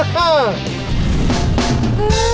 ฮ่าฮ่า